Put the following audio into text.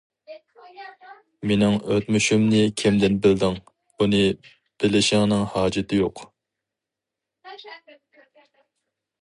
-مىنىڭ ئۆتمۈشۈمنى كىمدىن بىلدىڭ؟ -ئۇنى بىلىشىڭنىڭ ھاجىتى يوق.